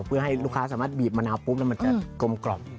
เพื่อให้ลูกค้าสามารถบีบมะนาวปุ๊บแล้วมันจะกลมกล่อม